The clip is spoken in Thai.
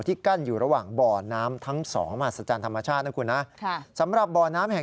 ที่กั้นอยู่ระหว่างบ่อน้ำทั้งสองสัจจันทร์ธรรมชาตินะคุณนะ